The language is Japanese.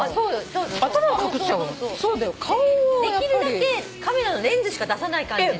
できるだけカメラのレンズしか出さない感じで。